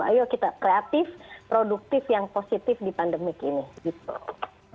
ayo kita kreatif produktif yang positif di pandemi ini